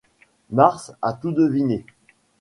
Mars a tout deviné.